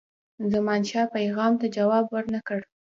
زمانشاه پیغام ته جواب ورنه کړ.